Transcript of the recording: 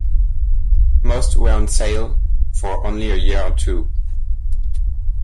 Most were on sale for only a year or two.